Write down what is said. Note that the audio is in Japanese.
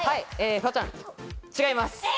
フワちゃん、違います。